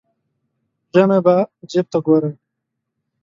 ژمی به جیب ته ګورم.